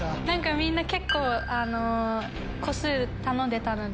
みんな結構個数頼んでたので。